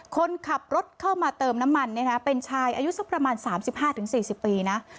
คนขับรถเข้ามาเติมน้ำมันเป็นชายอายุสักประมาณ๓๕๔๐ปีนะ